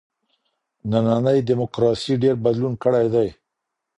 نننۍ دموکراسي ډېر بدلون کړی دی.